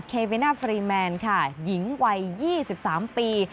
เควิน่าฟรีแมนค่ะหญิงวัย๒๓ปี